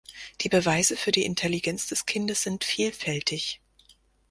Die Beweise für die Intelligenz des Kindes sind vielfältig.